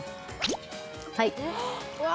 はい。